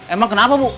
emang kenapa bu